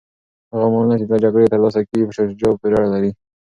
هغه مالونه چي له جګړې ترلاسه کیږي په شاه شجاع پوري اړه لري.